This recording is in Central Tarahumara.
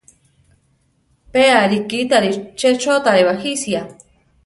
Pe arikítari che chótare bajisia.